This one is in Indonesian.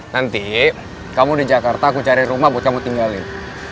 nanti kamu di jakarta aku cari rumah buat kamu tinggalin